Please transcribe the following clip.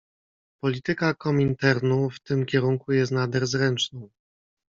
"Polityka Kominternu w tym kierunku jest nader zręczną."